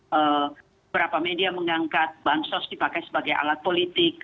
beberapa media mengangkat bank sos dipakai sebagai alat politik